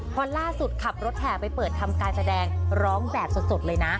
พอล่าสุดขับรถแห่ไปเปิดทำการแสดงร้องแบบสดเลยนะ